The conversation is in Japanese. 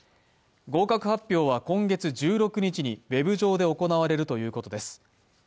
合格発表は今月１６日にウェブ上で行われるということです。